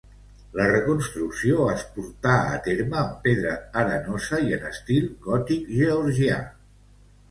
La reconstrucció es portà a terme amb pedra arenosa i en estil gòtic georgià.